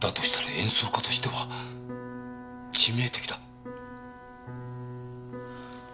演奏家としては致命的だ。